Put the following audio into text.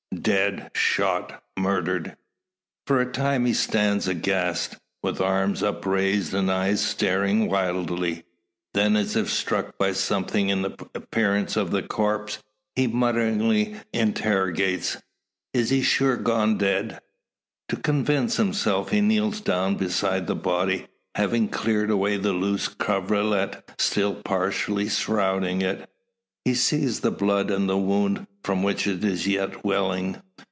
"Dead shot murdered!" For a time he stands aghast, with arms upraised, and eyes staring wildly. Then, as if struck by something in the appearance of the corpse, he mutteringly interrogates: "Is he sure gone dead?" To convince himself he kneels down beside the body, having cleared away the loose coverlet still partially shrouding it. He sees the blood, and the wound from which it is yet welling.